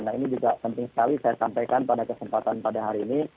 nah ini juga penting sekali saya sampaikan pada kesempatan pada hari ini